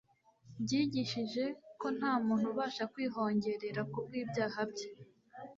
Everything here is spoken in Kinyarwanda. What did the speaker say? byigishije ko nta muntu ubasha kwihongerera ku bw'ibyaha bye.